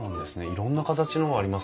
いろんな形のがありますね。